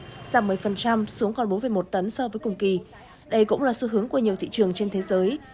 giảm một mươi xuống còn bốn một tấn so với cùng kỳ đây cũng là xu hướng của nhiều thị trường trên thế giới